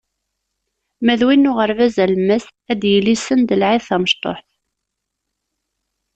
Ma d win n uɣerbaz alemmas, ad d-yili send lɛid tamecṭuḥt.